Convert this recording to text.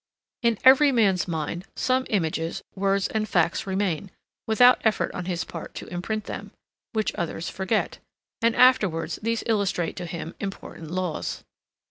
In every man's mind, some images, words and facts remain, without effort on his part to imprint them, which others forget, and afterwards these illustrate to him important laws.